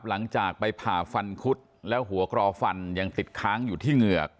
หลังจากไปผ่าฟันคุดแล้วหัวกรอฟันยังติดค้างอยู่ที่เหงือก